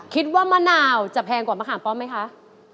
มะนาวจะแพงกว่ามะขามป้อมไหมคะ